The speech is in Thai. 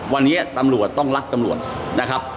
วันนี้ตำรวจต้องรักตำรวจนะครับ